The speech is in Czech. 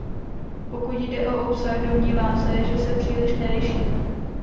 Pokud jde o obsah, domnívám se, že se příliš nelišíme.